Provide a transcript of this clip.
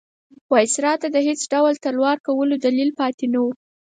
وایسرا ته د هېڅ ډول تلوار کولو دلیل پاتې نه وو.